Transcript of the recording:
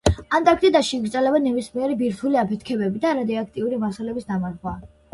ანტარქტიდაში იკრძალება ნებისმიერი ბირთვული აფეთქებები და რადიაქტიური მასალების დამარხვა.